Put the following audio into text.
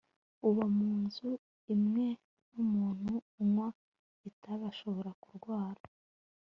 uba mu nzu imwe n'umuntu unywa itabi ashobora kurwara